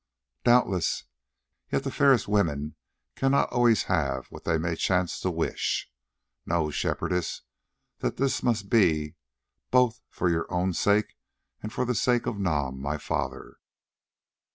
"Doubtless, yet the fairest women cannot always have what they may chance to wish. Know, Shepherdess, that this must be both for your own sake and for the sake of Nam, my father.